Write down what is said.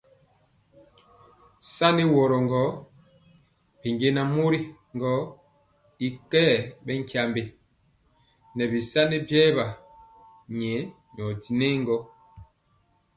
Sani woro gɔ binjɛnaŋ mori gɔ y kɛɛ bɛ tyiambe nɛ bisani biewa nyɛ dinɛ gɔ.